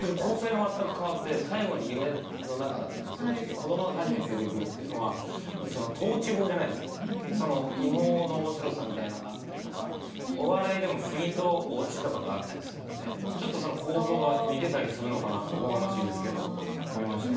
子どもが初めて出てくるっていうのは倒置法じゃないですけど日本語の面白さみたいのがあったりとかお笑いでもフリとオチとかがあったりするんでちょっと構造が似てたりするのかなとおこがましいですけど思いました。